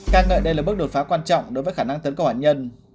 các ngợi đây là bước đột phá quan trọng đối với khả năng tấn công hỏa nhân